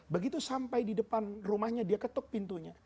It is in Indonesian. begitu sampai di depan rumahnya dia ketuk pintunya